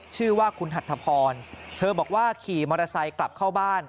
ชื่อว่าคุณหัทธพรเธอบอกว่าขี่มอเตอร์ไซค์กลับเข้าบ้าน